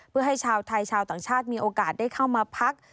เพื่อให้ชาวไทยชาวต่างชาติมีโอกาสได้เข้ามาพัก